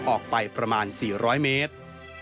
ออกไปประมาณ๔๐๐เมตร